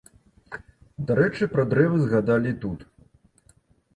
Дарэчы, пра дрэвы згадалі і тут.